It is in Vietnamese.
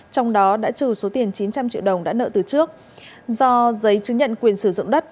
trong đó đã trừ số tiền chín trăm linh triệu đồng đã nợ từ trước do giấy chứng nhận quyền sử dụng đất